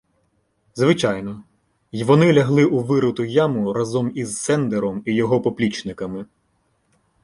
Звичайно, й вони лягли у вириту яму разом із Сендером і його поплічниками.